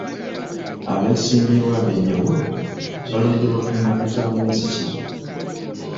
Abeesimbyewo ab'enjawulo balondebwa ku nnaku za mwezi ki?